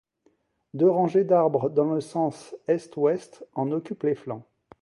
Deux rangées d'arbres, dans le sens est-ouest, en occupe les flancs.